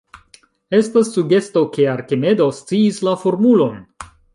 Estas sugesto ke Arkimedo sciis la formulon.